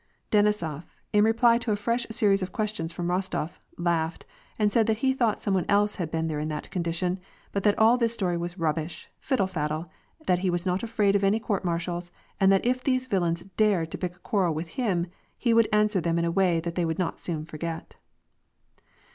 Denisof, in reply to a fresh series of questions from Rostof, laughed, and said that he thought some one else had been there in that condition ; but that all this story was nibbish, fiddle faddle, that he was not afraid of any court martials, and that if these villains dared to pick a quarrel with him, he would answer them in a way that they would not soon forget.